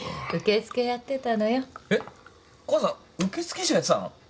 母さん受付嬢やってたの？